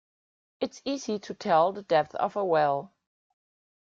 It's easy to tell the depth of a well.